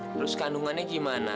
terus kandungannya gimana